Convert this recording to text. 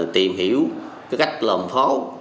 tìm hiểu cái cách làm pháo